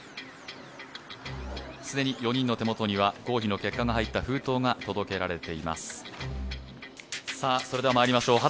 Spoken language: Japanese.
既に４人のもとには合否の結果が入った封筒が届けられています。